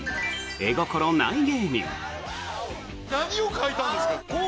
絵心ない芸人。